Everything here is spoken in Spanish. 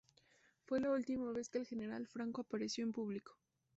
Fue la última vez que el general Franco apareció en público.